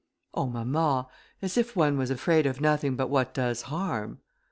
"Oh! mamma, as if one was afraid of nothing but what does harm.